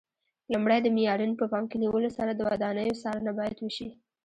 لومړی د معیارونو په پام کې نیولو سره د ودانیو څارنه باید وشي.